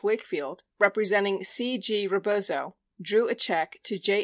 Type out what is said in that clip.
Wakefield, representing C. G. Rebozo, drew a check to J.